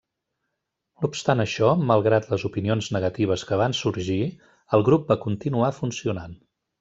No obstant això, malgrat les opinions negatives que van sorgir, el grup va continuar funcionant.